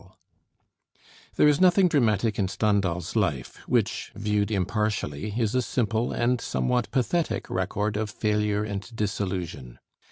[Illustration: HENRI BEYLE] There is nothing dramatic in Stendhal's life, which, viewed impartially, is a simple and somewhat pathetic record of failure and disillusion.